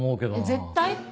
絶対？